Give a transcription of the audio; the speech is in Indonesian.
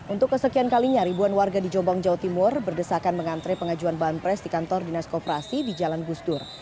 untuk kesekian kalinya ribuan warga di jombang jawa timur berdesakan mengantre pengajuan banpres di kantor dinas koperasi di jalan gusdur